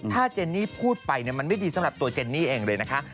ถ้าเจนนี่พูดไปมันไม่ดีสำหรับตัวเจนนี่เองเลยนะคะ